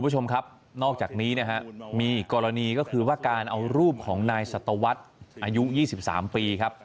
อย่างนี้มีอีกกรณีก็คือการเอารูปของนายสตวรรคอายุ๒๓ปี